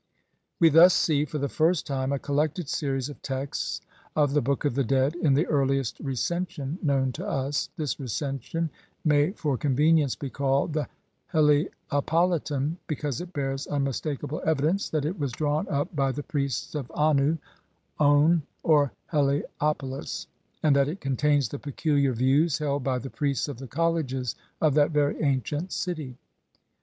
1 We thus see, for the first time, a collected series of texts of the Book of the Dead in the earliest Recension known to us ; this Recension may for convenience be called the 'Helippolitan', because it bears unmistakable evi dence that it was drawn up by the priests of Annu (On or Heliopolis), and that it contains the peculiar views held by the priests of the colleges of that very ancient city.